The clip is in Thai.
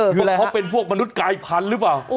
คือเขาเป็นพวกมนุษย์กายพันธุ์หรือเปล่า